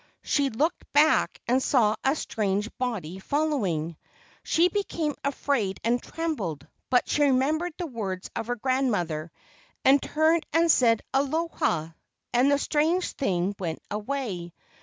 She looked back and saw a strange body following. She became afraid and trembled, but she remembered the words of her grandmother, and turned and said, "Aloha," and the strange thing went away.